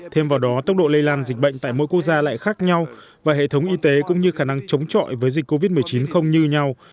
thêm vào đó tốc độ lây lan dịch bệnh tại mỗi quốc gia lại khác nhau và hệ thống y tế cũng như khả năng chống chọi với dịch covid một mươi chín không như nhau